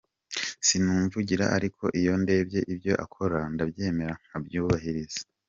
Simuvugira ariko iyo ndebye ibyo akora, ndabyemera nkabyubahiriza.